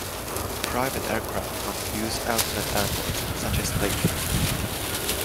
Private aircraft must use alternate airports, such as Lic.